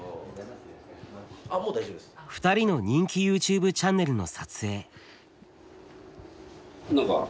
２人の人気ＹｏｕＴｕｂｅチャンネルの撮影。